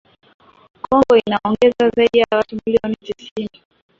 Kongo inaongeza zaidi ya watu milioni tisini